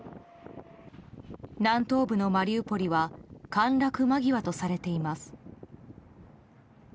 南東部のマリウポリは陥落間際とされています。